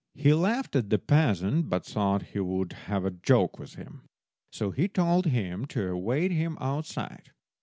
He laughed at the peasant, but thought he would have a joke with him, so he told him to await him outside.